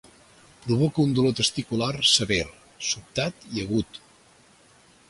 Provoca un dolor testicular sever, sobtat i agut.